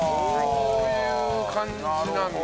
こういう感じなんだ。